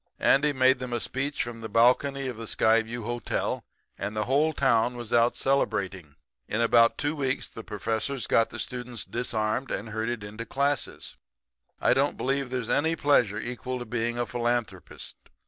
Andy made them a speech from the balcony of the Skyview Hotel, and the whole town was out celebrating. "In about two weeks the professors got the students disarmed and herded into classes. I don't believe there's any pleasure equal to being a philanthropist.